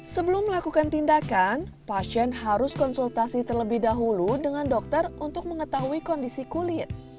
sebelum melakukan tindakan pasien harus konsultasi terlebih dahulu dengan dokter untuk mengetahui kondisi kulit